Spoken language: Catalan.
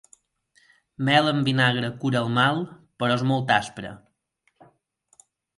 Mel amb vinagre cura el mal, però és molt aspre.